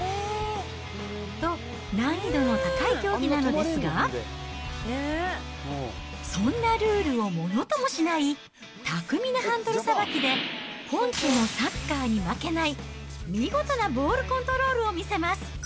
と、難易度の高い競技なのですが、そんなルールをものともしない巧みなハンドルさばきで、本家のサッカーに負けない、見事なボールコントロールを見せます。